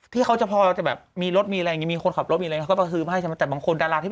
ที่เขาจะพอจะแบบมีรถมีอะไรอย่างงี้มีคนขับรถมีอะไรอย่างงี้